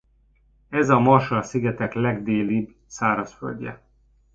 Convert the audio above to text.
Ez a Marshall-szigetek legdélibb szárazföldje.